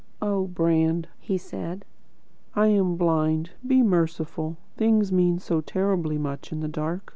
"Oh, Brand," he said, "I am blind. Be merciful. Things mean so terribly much in the dark."